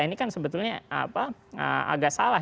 ini kan sebetulnya agak salah